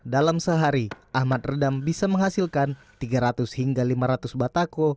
dalam sehari ahmad redam bisa menghasilkan tiga ratus hingga lima ratus batako